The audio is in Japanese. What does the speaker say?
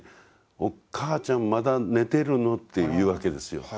「お母ちゃんまだ寝てるの」って言うわけですよ。